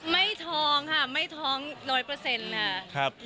ไม่ท้องค่ะไม่ท้อง๑๐๐ค่ะ